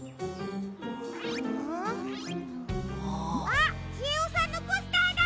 あっちえおさんのポスターだ！